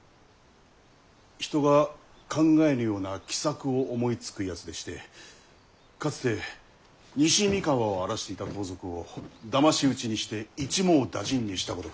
人が考えぬような奇策を思いつくやつでしてかつて西三河を荒らしていた盗賊をだまし討ちにして一網打尽にしたことが。